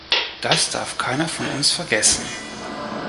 Das darf keiner von uns vergessen.